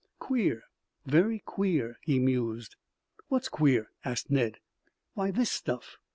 "Queer, very queer," he mused. "What's queer?" asked Ned. "Why, this stuff.